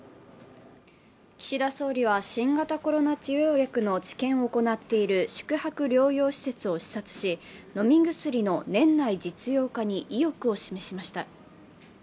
岸田総理は新型コロナ治療薬の治験を行っている宿泊療養施設を視察し飲み薬の年内実用化に意欲を示しました。